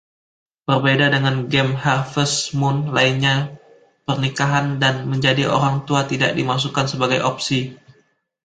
Berbeda dengan game Harvest Moon lainnya, pernikahan dan menjadi orang tua tidak dimasukkan sebagai opsi.